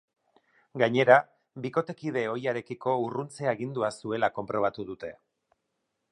Gainera, bikotekide ohiarekiko urruntze agindua zuela konprobatu dute.